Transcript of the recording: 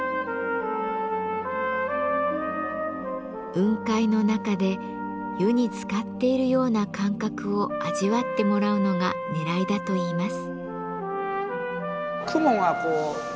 雲海の中で湯に浸かっているような感覚を味わってもらうのがねらいだといいます。